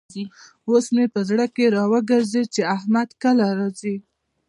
اوس مې په زړه کې را وګرزېد چې احمد کله راځي.